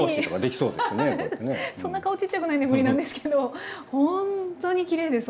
そんな顔ちっちゃくないんで無理なんですけどほんとにきれいです